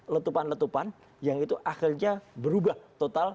letupan letupan yang itu akhirnya berubah total